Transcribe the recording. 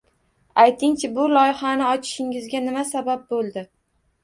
Aytingchi, bu loyihani ochishingizga nima sabab boʻldi?